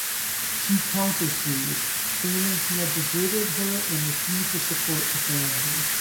She countersued, claiming he had deserted her and refused to support the family.